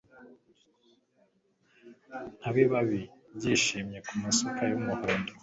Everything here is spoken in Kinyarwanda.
Nkabibabi byijimye kumasuka yumuhindo